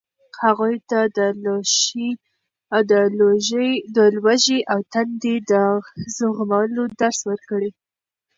هغوی ته د لوږې او تندې د زغملو درس ورکړئ.